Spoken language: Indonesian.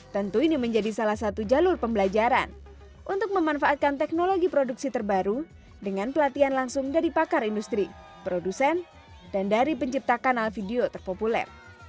tentu ini menjadi salah satu jalur pembelajaran untuk memanfaatkan teknologi produksi terbaru dengan pelatihan langsung dari pakar industri produsen dan dari pencipta kanal video terpopuler